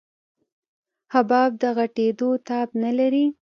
حباب د غټېدو تاب نه لري.